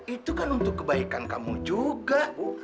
itu kan untuk kebaikan kamu juga